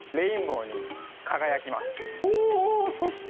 ほうほうそして。